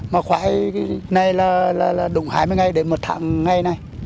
mà khoai cái này là đụng hai mươi ngày đến một tháng ngày này